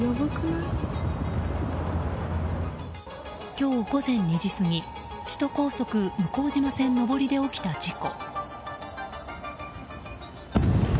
今日午前２時過ぎ首都高速向島線上りで起きた事故。